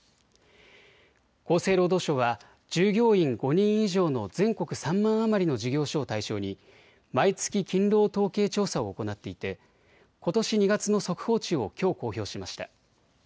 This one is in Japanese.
厚生労働省は従業員５人以上の全国３万余りの事業所を対象に毎月勤労統計調査を行っていてことし２月の速報値をきょう公表しました。